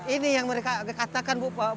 ini yang mereka katakan bu